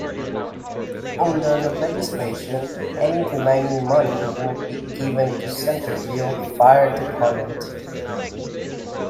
Under the legislation, any remaining money would be given to Centerville Fire Department.